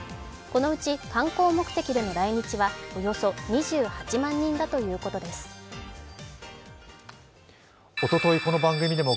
このうち観光目的での来日は、およそ２８万人だということです。